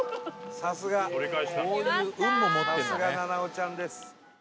さすが菜々緒ちゃんです。